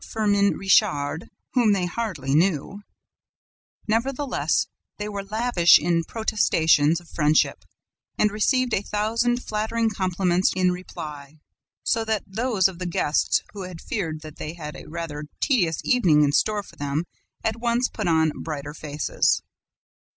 Firmin Richard, whom they hardly knew; nevertheless, they were lavish in protestations of friendship and received a thousand flattering compliments in reply, so that those of the guests who had feared that they had a rather tedious evening in store for them at once put on brighter faces.